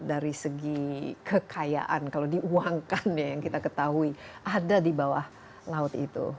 dari segi kekayaan kalau diuangkan ya yang kita ketahui ada di bawah laut itu